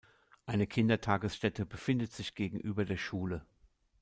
Eine Kindertagesstätte befindet sich gegenüber der Schule.